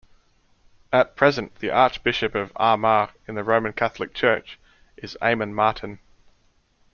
At present the Archbishop of Armagh in the Roman Catholic Church is Eamon Martin.